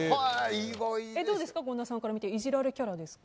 権田さんから見ていじられキャラですか。